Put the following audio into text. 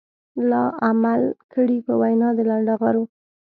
لا عمل کړي په وينا د لنډغرو.